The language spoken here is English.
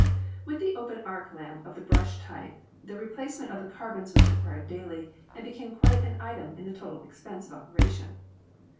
With the open arc lamp of the Brush type the replace ment of the carbons was required daily, and became quite an item in the total expense of operation.